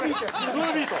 ツービート。